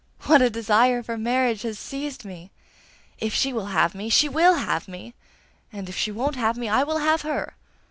What a desire for marriage has seized me! If she will have me, she WILL have me, and if she won't have me, I will have her.